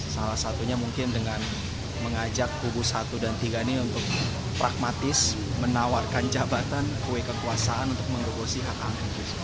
salah satunya mungkin dengan mengajak kubu satu dan tiga ini untuk pragmatis menawarkan jabatan kue kekuasaan untuk mengebosi hak angket